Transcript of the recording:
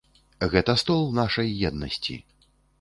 Гэта стол нашай еднасці.